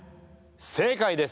正解です！